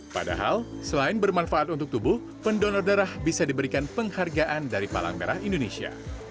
padahal selain bermanfaat untuk tubuh pendonor darah bisa diberikan penghargaan dari palang merah indonesia